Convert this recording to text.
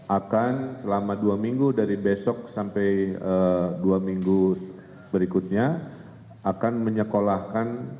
akan selama dua minggu dari besok sampai dua minggu berikutnya akan menyekolahkan